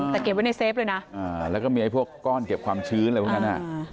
แต่เก็บไว้ในเฟฟเลยนะแล้วก็มีไอ้พวกก้อนเก็บความชื้นอะไรพวกนั้น